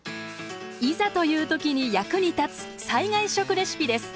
いざという時に役に立つ災害食レシピです。